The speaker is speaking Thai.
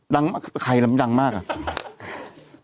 ดังใครดังมากอะ